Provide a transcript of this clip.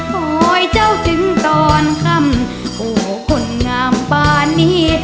หอยเจ้าจึงตอนค่ำโอ้คนงามบ้านนี้